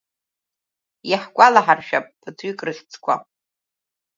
Иаҳгәалаҳаршәап ԥыҭҩык рыхьӡқәа…